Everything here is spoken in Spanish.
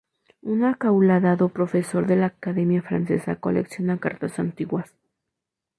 Un acaudalado profesor de la Academia Francesa colecciona cartas antiguas.